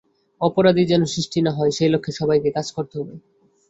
অপরাধীই যেন সৃষ্টি না হয়, সেই লক্ষ্যে সবাইকে কাজ করতে হবে।